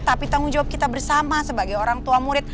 tapi tanggung jawab kita bersama sebagai orang tua murid